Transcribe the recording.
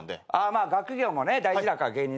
まあ学業もね大事だから芸人さんもね。